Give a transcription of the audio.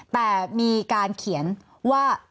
แต่มีการเขียนว่า